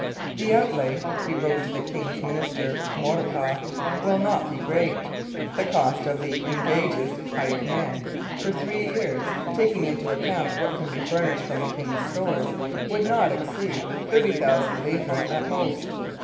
'The outlay,' he wrote to the king's minister, Maurepas, 'will not be great; the cost of the engagés [hired men] for three years, taking into account what can be furnished from the king's stores, would not exceed 30,000 livres at most.'